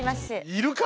いるか！